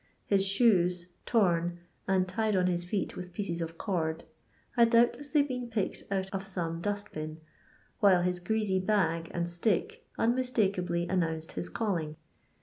His shoes — torn and tied on his feet with pieces of cord — had doubtlessly been picked out of some dost bin, while his greasy bag and stick unmistakably announced his calling.